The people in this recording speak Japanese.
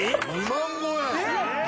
２万超え！